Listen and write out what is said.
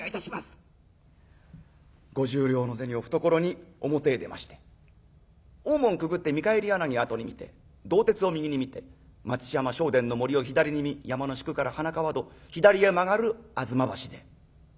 ５０両の銭を懐に表へ出まして大門くぐって見返り柳後に見て道哲を右に見て待乳山聖天の森を左に見山の宿から花川戸左へ曲がる吾妻橋で。